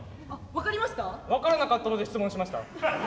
分からなかったので質問しました。